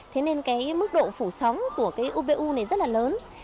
thế nên mức độ phủ sóng của upu này rất là lớn